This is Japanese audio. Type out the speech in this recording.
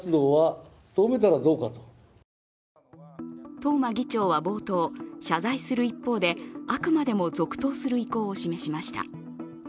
東間議長は冒頭、謝罪する一方であくまでも続投する意向を示しました。